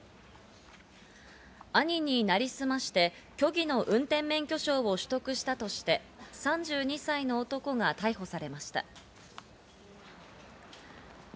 兄に成り済まして虚偽の運転免許証を取得したとして、３２歳の男が逮捕されました。